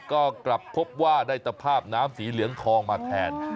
ก็กลับพบว่าได้ตภาพน้ำสีเหลืองทองมาแทน